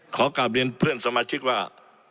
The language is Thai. ขอกลับเรียนเพื่อนสมาชิกว่า